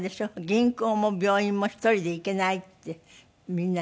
銀行も病院も一人で行けないってみんなに言われている。